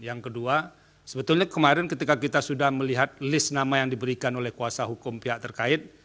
yang kedua sebetulnya kemarin ketika kita sudah melihat list nama yang diberikan oleh kuasa hukum pihak terkait